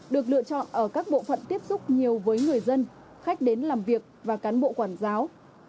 được lựa chọn ở các bộ phận tiếp xúc nhiều với người dân khách đến làm việc và cán bộ quản giáo